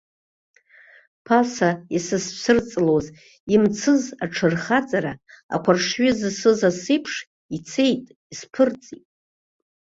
Ԥаса исызцәырҵлоз, имцыз аҽырхаҵара, ақәаршҩы зысыз асеиԥш ицеит, исԥырҵит.